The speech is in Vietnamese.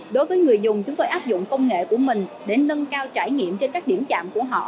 đối với người dùng chúng tôi áp dụng công nghệ của mình để nâng cao trải nghiệm trên các điểm chạm của họ